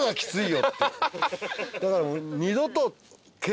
だから二度と。